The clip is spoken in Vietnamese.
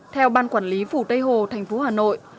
theo ban quản lý phủ tây hồ thành phố hà nội